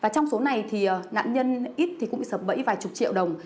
trong số này nạn nhân ít cũng bị sập bẫy vài chục triệu đồng